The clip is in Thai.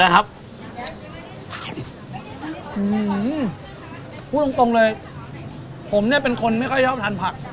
อื้อหือพูดตรงเลยผมเนี้ยเป็นคนไม่ค่อยชอบทานผัก